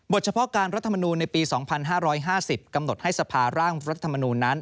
เฉพาะการรัฐมนูลในปี๒๕๕๐กำหนดให้สภาร่างรัฐธรรมนูลนั้น